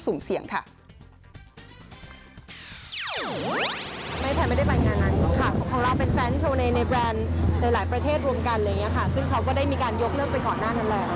ค่ะซึ่งเขาก็ได้มีการยกเลิกไปก่อนหน้านั้นแล้ว